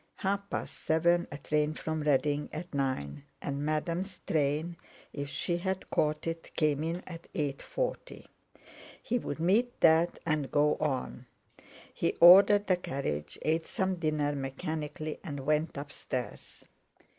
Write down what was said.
Half past seven, a train from Reading at nine, and madame's train, if she had caught it, came in at eight forty—he would meet that, and go on. He ordered the carriage, ate some dinner mechanically, and went upstairs.